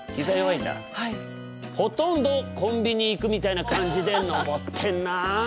ほとんどコンビニ行くみたいな感じで登ってんなあ。